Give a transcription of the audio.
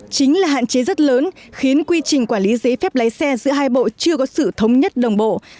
chính là hạn chế rất lớn khiến quy trình quản lý giấy phép lái xe giữa hai bộ chưa có sự thống nhất đồng bộ